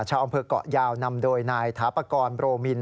ชาวอำเภอกเกาะยาวนำโดยนายถาปากรโรมิน